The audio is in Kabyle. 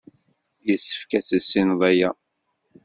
Yessefk ad tissineḍ aya.